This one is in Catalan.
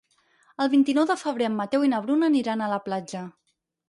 El vint-i-nou de febrer en Mateu i na Bruna aniran a la platja.